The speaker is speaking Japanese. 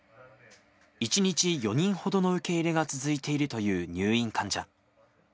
１日４人ほどの受け入れが続いているという入院患者。